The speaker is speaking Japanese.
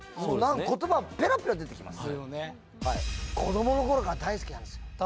言葉ペラペラ出てきます。